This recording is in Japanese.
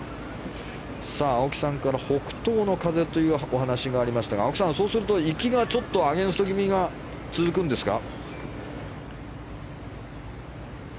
青木さんから北東の風というお話がありましたが青木さん、そうすると行きがアゲンスト気味が続くんですか？